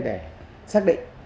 để xác định